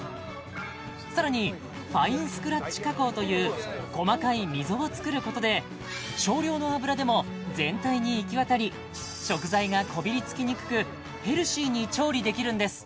さらにファインスクラッチ加工という細かい溝を作ることで少量の油でも全体に行き渡り食材がこびりつきにくくヘルシーに調理できるんです